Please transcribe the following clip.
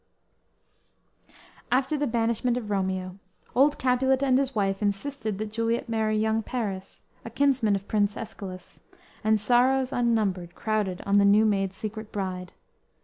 "_ After the banishment of Romeo, old Capulet and his wife insisted that Juliet marry young Paris, a kinsman of Prince Escalus, and sorrows unnumbered crowded on the new made secret bride.